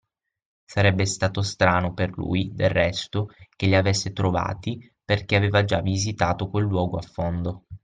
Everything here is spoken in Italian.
Sarebbe stato strano per lui, del resto, che li avesse trovati, perché aveva già visitato quel luogo a fondo.